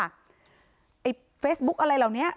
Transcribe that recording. ไอ้เฟซบุ๊กอะไรเหล่านี้